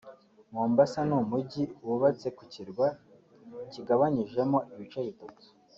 Mombasa ni umujyi wubatse ku kirwa kigabanyijemo ibice bitatu